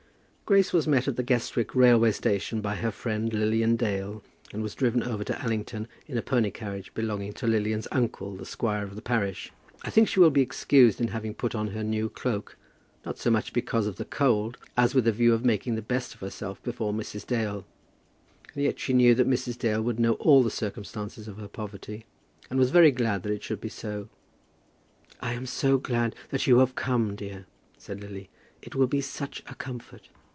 Grace was met at the Guestwick railway station by her friend Lilian Dale, and was driven over to Allington in a pony carriage belonging to Lilian's uncle, the squire of the parish. I think she will be excused in having put on her new cloak, not so much because of the cold as with a view of making the best of herself before Mrs. Dale. And yet she knew that Mrs. Dale would know all the circumstances of her poverty, and was very glad that it should be so. "I am so glad that you have come, dear," said Lily. "It will be such a comfort."